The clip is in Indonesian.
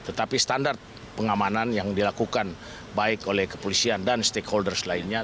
tetapi standar pengamanan yang dilakukan baik oleh kepolisian dan stakeholders lainnya